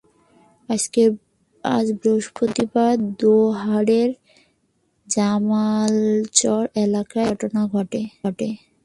আজ বৃহস্পতিবার দোহারের জামালচর এলাকায় এ ঘটনা ঘটে।